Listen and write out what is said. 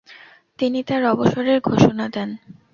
তিনি তার অবসরের ঘোষণা দেন।